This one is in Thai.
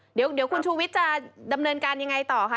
เดี๋ยวคุณชูวิทย์จะดำเนินการยังไงต่อคะ